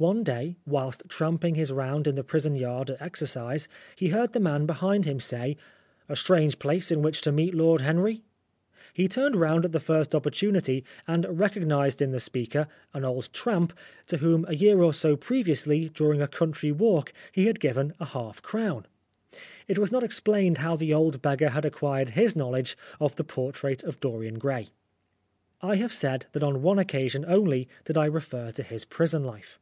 One day, whilst tramping his round in the prison yard at exercise, he heard the man behind him say, "A strange place in which to meet Lord Henry/' He turned round at the first opportunity and recognised in the speaker, an old tramp, to whom a year or two previously, during a country walk, he had given a half crown. It was not explained how the old beggar had acquired his knowledge of " The Portrait of Dorian Gray." I have said that on one occasion only did I refer to his prison life.